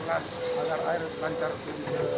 mencari jembatan penghubungan dari kecamatan sumatera utara